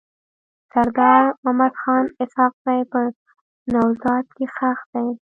سردار مددخان اسحق زی په نوزاد کي ښخ دی.